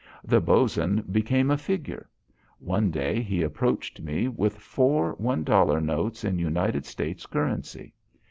The Bos'n became a figure. One day he approached me with four one dollar notes in United States currency.